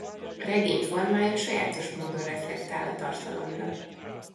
A regény formája sajátos módon reflektál a tartalomra.